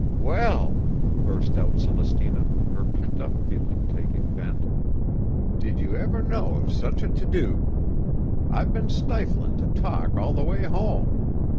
"Well!" burst out Celestina, her pent up feeling taking vent, "did you ever know of such a to do? I've been stiflin' to talk all the way home!